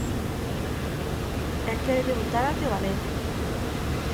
E quere debutar ante o Valencia.